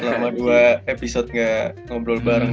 selama dua episode gak ngobrol bareng